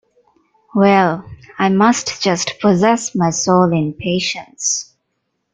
Well, I must just possess my soul in patience.